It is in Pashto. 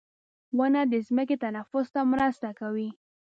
• ونه د ځمکې تنفس ته مرسته کوي.